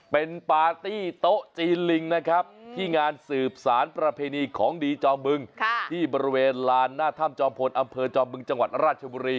เป็นปาร์ตี้โต๊ะจีนลิงนะครับที่งานสืบสารประเพณีของดีจอมบึงที่บริเวณลานหน้าถ้ำจอมพลอำเภอจอมบึงจังหวัดราชบุรี